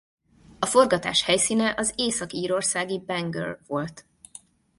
A forgatás helyszíne az észak-írországi Bangor volt.